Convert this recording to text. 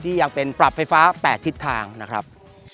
ยังเป็นปรับไฟฟ้า๘ทิศทางนะครับ